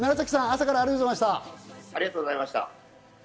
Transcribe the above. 楢崎さん、朝からありがとうございました。